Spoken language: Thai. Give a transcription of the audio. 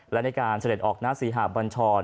และในการเสด็จออกหน้าศรีหาบัญชร